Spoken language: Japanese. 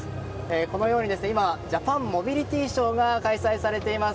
このように今「ジャパンモビリティショー」が開催されています。